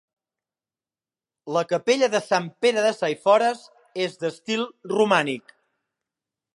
La Capella de Sant Pere de Saifores és d'estil romànic.